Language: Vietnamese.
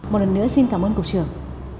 một lần nữa xin cảm ơn cục trưởng